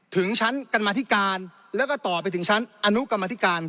ถึงชั้นกรรมธิการแล้วก็ต่อไปถึงชั้นอนุกรรมธิการ